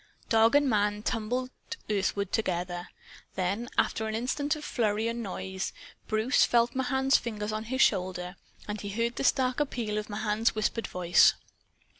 Dog and man tumbled earthward together. Then after an instant of flurry and noise, Bruce felt Mahan's fingers on his shoulder and heard the stark appeal of Mahan's whispered voice.